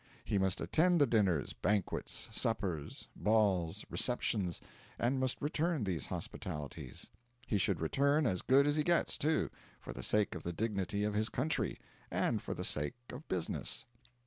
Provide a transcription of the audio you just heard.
He must attend the dinners, banquets, suppers, balls, receptions, and must return these hospitalities. He should return as good as he gets, too, for the sake of the dignity of his country, and for the sake of Business.